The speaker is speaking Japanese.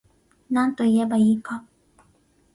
なんといえば良いか